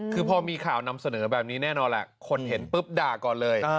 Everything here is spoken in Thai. คือพอมีข่าวนำเสนอแบบนี้แน่นอนแหละคนเห็นปุ๊บด่าก่อนเลย